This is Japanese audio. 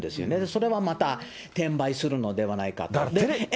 それはまた転売するのではないか。